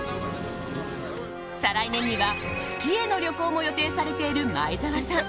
再来年には月への旅行も予定されている前澤さん。